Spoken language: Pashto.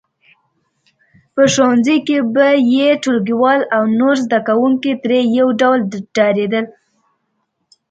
په ښوونځي کې به یې ټولګیوال او نور زده کوونکي ترې یو ډول ډارېدل